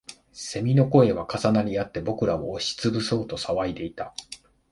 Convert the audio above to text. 蝉の声は重なりあって、僕らを押しつぶそうと騒いでいた